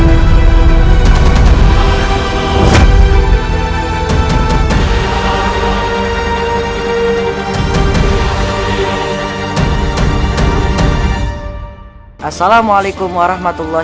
aku adalah istrimu